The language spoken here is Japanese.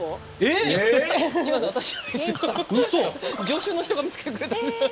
助手の人が見つけてくれたんです。